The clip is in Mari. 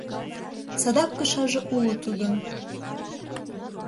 Садак кышаже уло тудын.